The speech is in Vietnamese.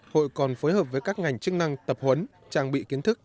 hội còn phối hợp với các ngành chức năng tập huấn trang bị kiến thức